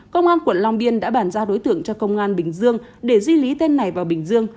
công an quận long biên đã bàn giao đối tượng cho công an bình dương để di lý tên này vào bình dương